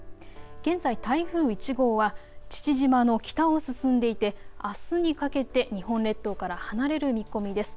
現在、台風１号は父島の北を進んでいてあすにかけて日本列島から離れる見込みです。